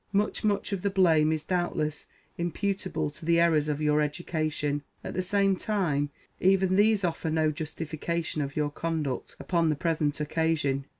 Much, much of the blame is _doubtless _imputable to the errors of your education! At the _same _time, even these offer no justification of your _conduct _upon the present occasion!